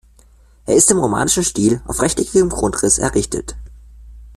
Er ist im romanischen Stil auf rechteckigem Grundriss errichtet.